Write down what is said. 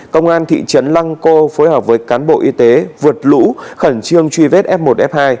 công an thị trấn lăng cô phối hợp với cán bộ y tế vượt lũ khẩn trương truy vết f một f hai